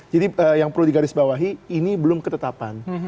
jadi yang perlu digarisbawahi ini belum ketetapan